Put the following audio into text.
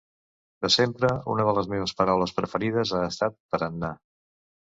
De sempre, una de les meves paraules preferides ha estat tarannà.